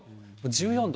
１４度。